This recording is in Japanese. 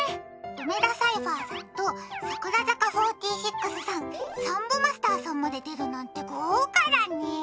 梅田サイファーさんと櫻坂４６さん、サンボマスターさんまで出るなんて豪華だね。